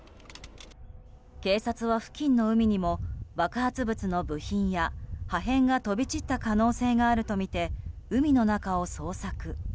警察は付近の海にも、爆発物の部品や破片が飛び散った可能性があるとみて海の中を捜索。